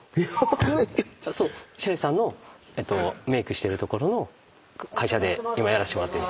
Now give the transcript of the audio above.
白石さんのメイクしてる所の会社で今やらせてもらってる。